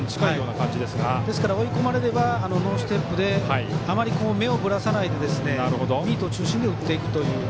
追い込まれれば、ノーステップであまり目をぶらさないでミーと中心で打っていくという。